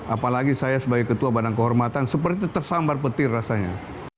apalagi saya sebagai ketua badan kehormatan seperti tersambar petir rasanya